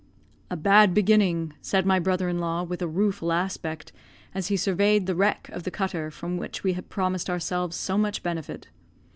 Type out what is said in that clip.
"A bad beginning," said my brother in law, with a rueful aspect, as he surveyed the wreck of the cutter from which we had promised ourselves so much benefit.